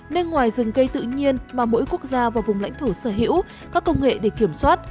nên ngoài rừng cây tự nhiên mà mỗi quốc gia và vùng lãnh thổ sở hữu các công nghệ để kiểm soát